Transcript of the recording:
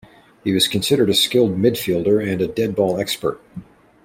He was considered a skilled midfielder and a dead-ball expert.